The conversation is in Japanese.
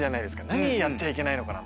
何やっちゃいけないのかな